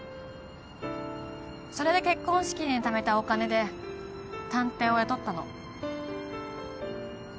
それで結婚資金にためたお金で探偵を雇ったの。